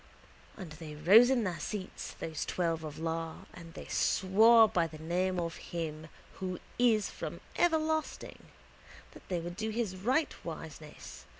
And they rose in their seats, those twelve of Iar, and they swore by the name of Him Who is from everlasting that they would do His rightwiseness.